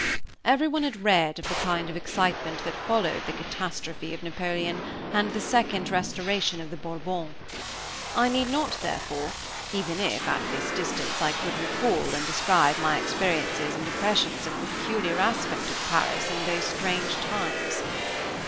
Everyone had read of the kind of excitement that followed the catastrophe of Napoleon, and the second restoration of the Bourbons. I need not, therefore, even if, at this distance, I could, recall and describe my experiences and impressions of the peculiar aspect of Paris, in those strange times.